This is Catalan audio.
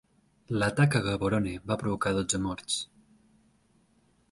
L'atac a Gaborone va provocar dotze morts.